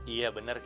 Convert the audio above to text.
iya bener g